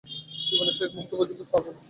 জীবনের শেষ মূহুর্ত পর্যন্ত ছাড়বো না।